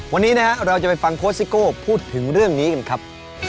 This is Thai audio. วันนี้นะฮะเราจะไปฟังโค้ชซิโก้พูดถึงเรื่องนี้กันครับ